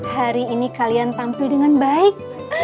hari ini kalian tampil dengan baik